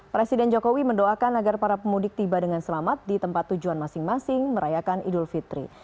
presiden jokowi mendoakan agar para pemudik tiba dengan selamat di tempat tujuan masing masing merayakan idul fitri